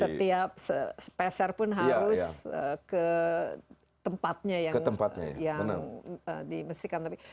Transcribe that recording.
setiap speser pun harus ke tempatnya yang dimestikan